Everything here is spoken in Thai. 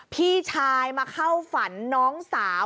พี่ชายมาเข้าฝันน้องสาว